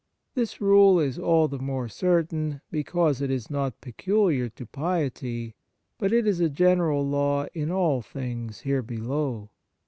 This rule is all the more certain because it is not peculiar to piety, but it is a general law in all things here below.